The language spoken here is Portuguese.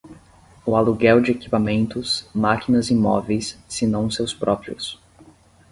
O aluguel de equipamentos, máquinas e móveis, se não os seus próprios.